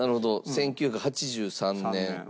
１９８３年。